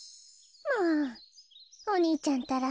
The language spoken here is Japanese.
もうお兄ちゃんったら。